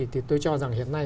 thì tôi cho rằng hiện nay